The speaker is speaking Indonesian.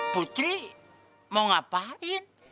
putri mau ngapain